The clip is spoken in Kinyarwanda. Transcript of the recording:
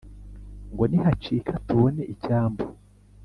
Ngo nihacika tubone icyambu